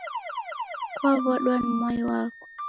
Kwaw'adwa na mwai wako.